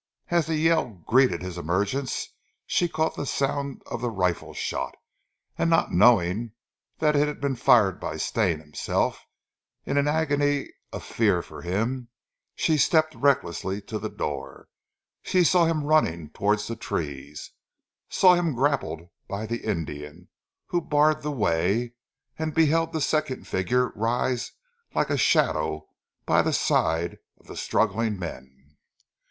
As the yell greeted his emergence, she caught the sound of the rifle shot, and not knowing that it had been fired by Stane himself, in an agony of fear for him, stepped recklessly to the door. She saw him running towards the trees, saw him grappled by the Indian who barred the way, and beheld the second figure rise like a shadow by the side of the struggling men.